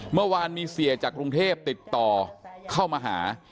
เมื่อวานมีเสียจากกรุงเทพติดต่อเข้ามาหา